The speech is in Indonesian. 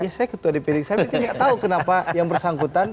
ya saya ketua dpd saya tidak tahu kenapa yang bersangkutan